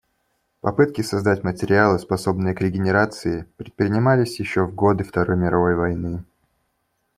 Попытки создать материалы, способные к регенерации, предпринимались ещё в годы Второй мировой войны.